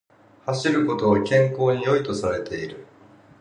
走ることは健康に良いとされている